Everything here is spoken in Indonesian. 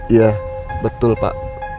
iya betul pak